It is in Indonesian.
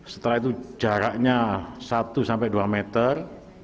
setelah itu jaraknya satu sampai dua meter